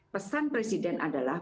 pesan presiden adalah